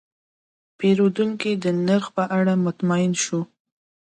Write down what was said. پیرودونکی د نرخ په اړه مطمین شو.